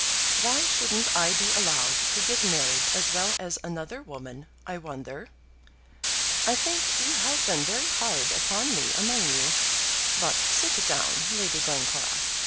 Why shouldn't I be allowed to get married as well as another woman, I wonder? I think you have been very hard upon me among you. But sit down, Lady Glencora.